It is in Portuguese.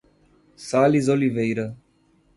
Sales Oliveira